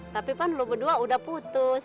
tapi kan lo berdua udah putus